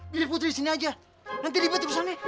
bilik putri di sini aja nanti ribet di pusatnya